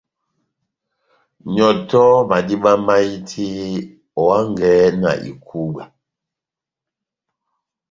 Nyɔtɔhɔ madíba máhiti, ohangɛ na ikúbwa.